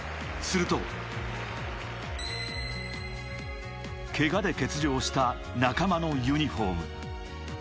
すると、けがで欠場した仲間のユニホーム。